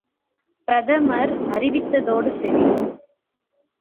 பிரதமர் அறிவித்ததோடு சரி!